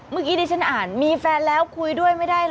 เมื่อกี้ดิฉันอ่านมีแฟนแล้วคุยด้วยไม่ได้เหรอ